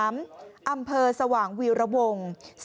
๓อำเภอสว่างวิรวง